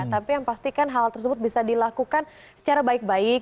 tapi yang pasti kan hal tersebut bisa dilakukan secara baik baik